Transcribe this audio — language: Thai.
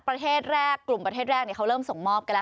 ประเทศแรกกลุ่มประเทศแรกเขาเริ่มส่งมอบกันแล้ว